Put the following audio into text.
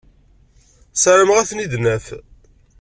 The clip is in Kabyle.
Ssarameɣ ad ten-id-naf.